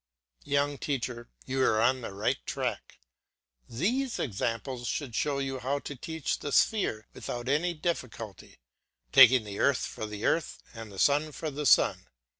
Young teacher, you are on the right track. These examples should show you how to teach the sphere without any difficulty, taking the earth for the earth and the sun for the sun.